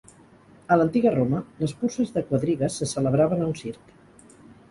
A l'antiga Roma, les curses de quadrigues se celebraven a un circ.